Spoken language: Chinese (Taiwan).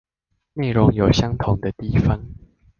內容有相同的地方